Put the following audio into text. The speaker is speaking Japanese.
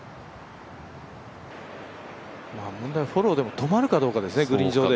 問題はフォローでも止まるかどうかですよね、グリーン上で。